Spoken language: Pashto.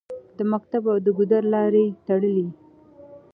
د مکتب او د ګودر لارې تړلې